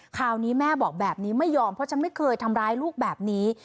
คราวนี้แม่บอกแบบนี้ไม่ยอมเพราะฉันไม่เคยทำร้ายลูกแบบนี้